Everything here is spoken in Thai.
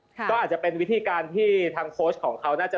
ก็อาจจะเป็นวิธีการที่ทางโค้ชของเขาน่าจะ